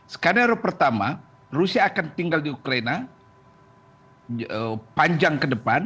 skenario pertama rusia akan tinggal di ukraina panjang ke depan